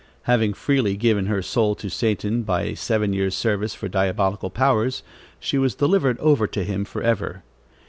Having freely given her soul to Satan by a seven years' service for diabolical powers, she was delivered over to him forever.